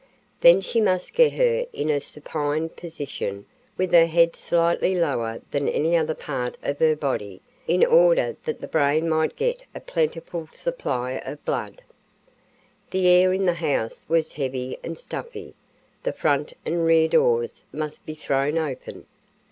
Then she must get her in a supine position with her head slightly lower than any other part of her body in order that the brain might get a plentiful supply of blood. The air in the house was heavy and stuffy the front and rear doors must be thrown open.